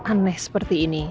aneh seperti ini